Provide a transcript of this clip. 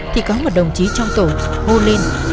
thì có một đồng chí trong tổ hô lên